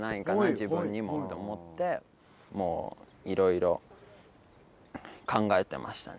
自分にもと思ってもういろいろ考えてましたね。